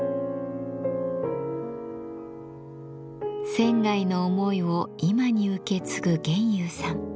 仙の思いを今に受け継ぐ玄侑さん。